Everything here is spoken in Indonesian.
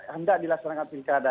tidak dilaksanakan pilkada